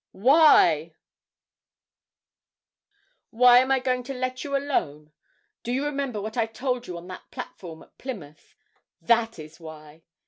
'Why am I going to let you alone? Do you remember what I told you on that platform at Plymouth? that is why.